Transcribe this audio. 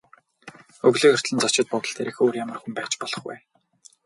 Өглөө эртлэн зочид буудалд ирэх өөр ямар хүн байж болох вэ?